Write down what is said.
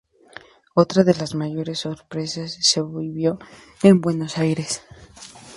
Otra de las mayores sorpresas se vivió en Buenos Aires.